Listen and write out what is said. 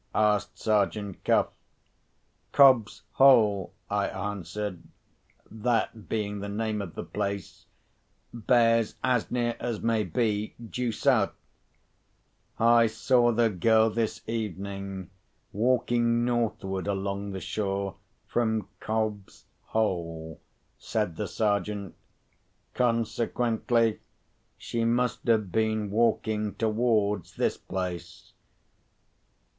asked Sergeant Cuff. "Cobb's Hole," I answered (that being the name of the place), "bears as near as may be, due south." "I saw the girl this evening, walking northward along the shore, from Cobb's Hole," said the Sergeant. "Consequently, she must have been walking towards this place.